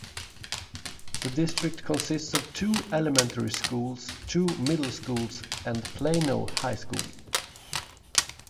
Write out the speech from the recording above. The district consists of two elementary schools, two middle schools, and Plano High School.